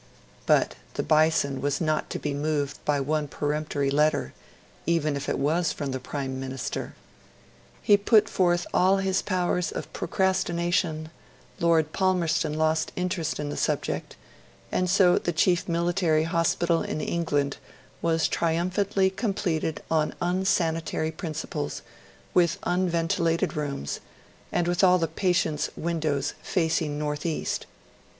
But the Bison was not to be moved by one peremptory letter, even if it was from the Prime Minister. He put forth all his powers of procrastination, Lord Palmerston lost interest in the subject, and so the chief military hospital in England was triumphantly completed on insanitary principles, with unventilated rooms, and with all the patients' windows facing northeast.